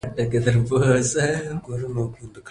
افغانستان کې د واوره د پرمختګ هڅې روانې دي.